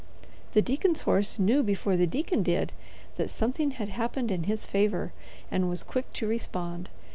The deacon's horse knew before the deacon did that something had happened in his favor, and was quick to respond.